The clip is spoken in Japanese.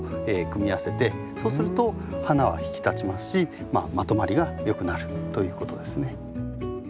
そうすると花は引き立ちますしまとまりがよくなるということですね。